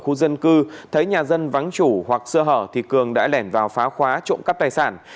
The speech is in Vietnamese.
khu dân cư thấy nhà dân vắng chủ hoặc sơ hở thì cường đã lẻn vào phá khóa trộm cắp tài sản